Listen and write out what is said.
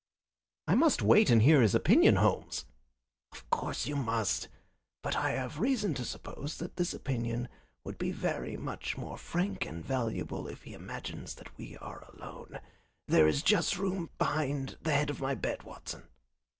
"I must wait and hear his opinion, Holmes." "Of course you must. But I have reasons to suppose that this opinion would be very much more frank and valuable if he imagines that we are alone. There is just room behind the head of my bed, Watson."